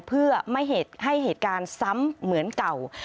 เพื่อไม่ให้เหตุการณ์ซ้ำเหมือนเก่า